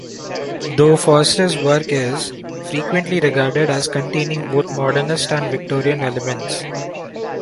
Though Forster's work is "frequently regarded as containing both modernist and Victorian elements".